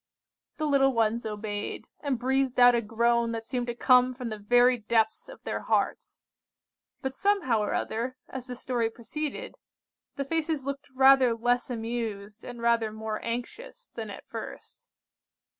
The little ones obeyed, and breathed out a groan that seemed to come from the very depths of their hearts; but somehow or other, as the story proceeded, the faces looked rather less amused, and rather more anxious, than at first.